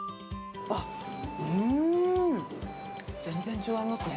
うーん！全然違いますね。